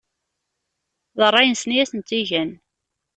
D ṛṛay-nsen i asen-tt-igan.